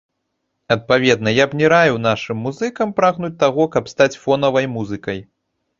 Адпаведна, я б не раіў нашым музыкам прагнуць таго, каб стаць фонавай музыкай.